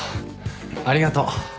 ありがとう。